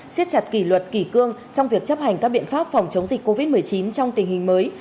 xiết chặt kỷ luật kỷ cương trong việc chấp hành các biện pháp phòng chống dịch covid một mươi chín trong tình hình mới